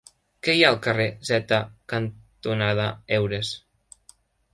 Què hi ha al carrer Zeta cantonada Heures?